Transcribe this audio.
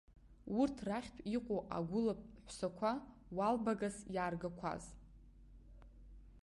Урҭ рахьтә иҟоуп агәыла ҳәсақәа уалбагас иааргақәаз.